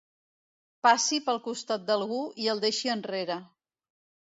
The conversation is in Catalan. Passi pel costat d'algú i el deixi enrere.